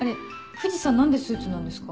藤さん何でスーツなんですか？